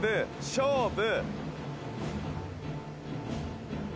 勝負。